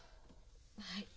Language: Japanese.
はい。